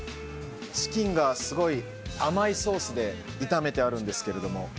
チキンがすごい甘いソースで炒めてあるんですけれども。